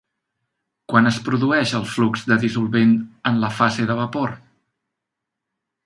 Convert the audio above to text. Quan es produeix el flux de dissolvent en la fase de vapor?